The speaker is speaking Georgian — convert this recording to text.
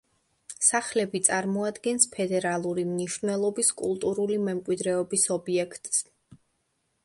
სახლები წარმოადგენს ფედერალური მნიშვნელობის კულტურული მემკვიდრეობის ობიექტს.